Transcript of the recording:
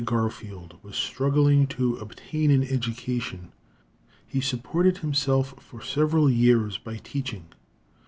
Garfield was struggling to obtain an education, he supported himself for several years by teaching.